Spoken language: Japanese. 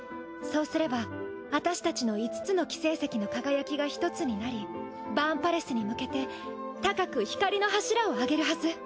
そうすれば私たちの５つの輝聖石の輝きが一つになりバーンパレスに向けて高く光の柱を上げるはず。